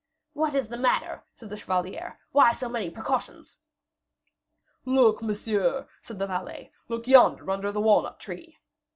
"What is the matter?" said the chevalier; "why so many precautions?" "Look, monsieur," said the valet, "look yonder, under the walnut tree."